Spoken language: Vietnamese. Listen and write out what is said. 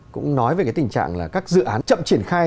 cũng nói về cái tình trạng là các dự án chậm triển khai